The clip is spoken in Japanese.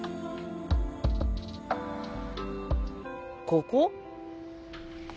ここ？